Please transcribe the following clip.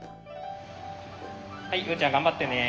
はいウーちゃん頑張ってね。